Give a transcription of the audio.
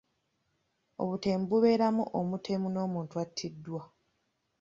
Obutemu bubeeramu omutemu n'omuntu attiddwa.